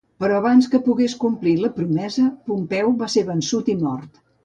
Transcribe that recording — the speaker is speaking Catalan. Però abans que pogués complir la promesa, Pompeu va ser vençut i mort.